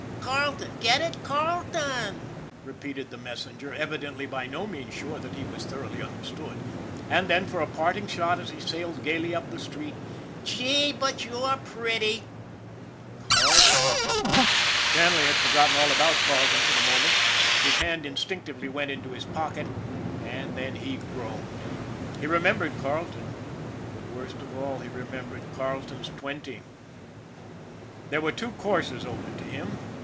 " Carleton. Get it ? Carleton,'' repeated the mes senger, evidently by no means sure that he was thoroughly understood; and then, for a parting shot as he sailed gayly up the street :" Gee, but you're pretty !" Carleton ! Shanley had forgotten all about Carleton for the moment. His hand instinctively went into his pocket and then he groaned. He remembered Carle ton. But worst of all, he remembered Carleton's twenty. There were two courses open to him.